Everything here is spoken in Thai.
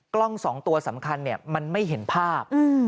สองตัวสำคัญมันไม่เห็นภาพ